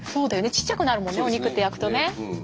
ちっちゃくなるもんねお肉って焼くとね。